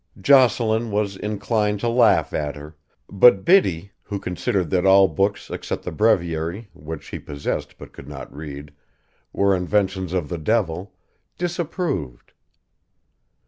Jocelyn was inclined to laugh at her, but Biddy, who considered that all books except the breviary, which she possessed but could not read, were inventions of the devil, disapproved.